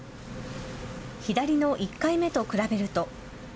左の１回目と比べると。